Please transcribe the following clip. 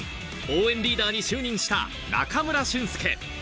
応援リーダーに就任した中村俊輔。